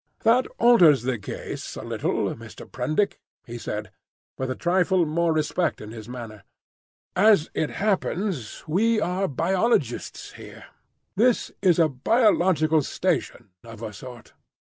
"That alters the case a little, Mr. Prendick," he said, with a trifle more respect in his manner. "As it happens, we are biologists here. This is a biological station—of a sort."